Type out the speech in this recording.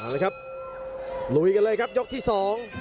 เอาละครับลุยกันเลยครับยกที่สอง